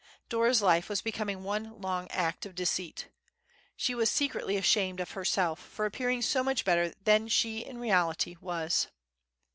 Dora's life was becoming one long act of deceit. She was secretly ashamed of herself for appearing so much better than she in reality was.